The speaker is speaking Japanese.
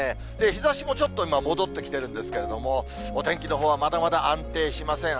日ざしもちょっと今、戻ってきてるんですけれども、お天気のほうはまだまだ安定しません。